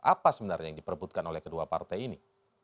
apa sebenarnya yang diperbutkan oleh kedua partai ini